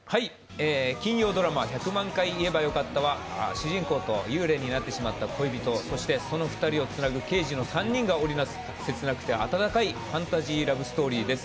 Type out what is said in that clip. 金曜ドラマ「１００万回言えばよかった」は主人公と幽霊になってしまった恋人、そして、その２人をつなぐ刑事の３人が織りなす切なくて温かいファンタジーラブストーリーです。